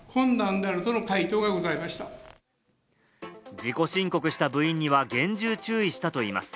自己申告した部員には厳重注意したといいます。